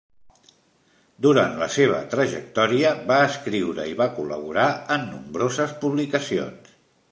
Durant la seva trajectòria va escriure i va col·laborar en nombroses publicacions.